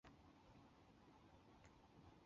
野柿为柿科柿属下的一个变种。